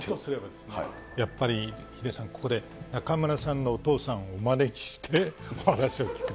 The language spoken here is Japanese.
やっぱりヒデさん、ここで中丸さんのお父さんをお招きしてお話を聞く。